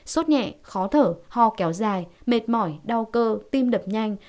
sốt nhẹ khó thở ho kéo dài mệt mỏi đau cơ tim đập nhanh